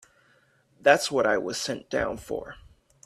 That's what I was sent down for.